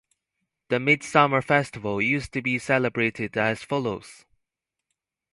The midsummer festival used to be celebrated as follows.